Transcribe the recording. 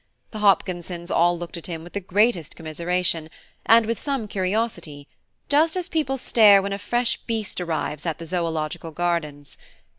The Hopkinsons all looked at him with the greatest commiseration, and with some curiosity, just as people stare when a fresh beast arrives at the Zoological Gardens.